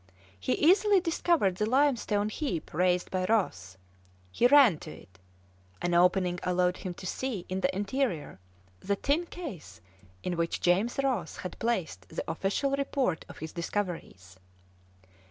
He easily discovered the limestone heap raised by Ross; he ran to it; an opening allowed him to see, in the interior, the tin case in which James Ross had placed the official report of his discoveries.